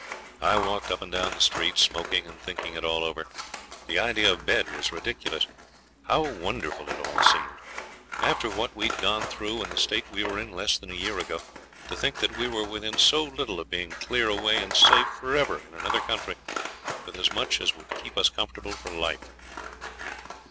I walked up and down the streets, smoking, and thinking it all over. The idea of bed was ridiculous. How wonderful it all seemed! After what we had gone through and the state we were in less than a year ago, to think that we were within so little of being clear away and safe for ever in another country, with as much as would keep us comfortable for life.